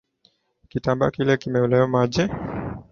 Kitambaa kile kimelowa maji